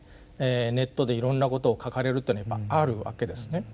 ネットでいろんなことを書かれるっていうのはあるわけですね。